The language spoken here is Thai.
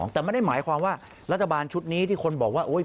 แต่ไม่ได้หมายความว่ารัฐบาลชุดนี้ที่คนบอกว่า